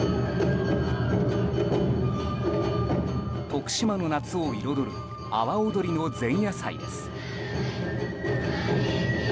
徳島の夏を彩る阿波おどりの前夜祭です。